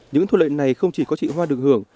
những thu lệnh này không chỉ có chị hoa được hưởng